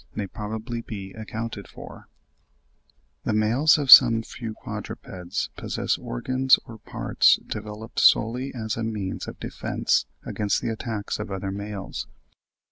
] The males of some few quadrupeds possess organs or parts developed solely as a means of defence against the attacks of other males.